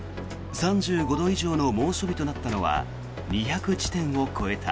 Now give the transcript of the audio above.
３５度以上の猛暑日となったのは２００地点を超えた。